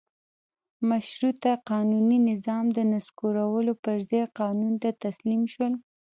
مشروطه قانوني نظام د نسکورولو پر ځای قانون ته تسلیم شول.